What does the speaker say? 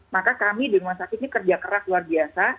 maka kami di rumah sakit ini kerja keras luar biasa